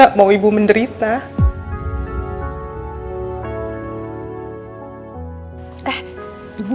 dia selalu mau jagain ibu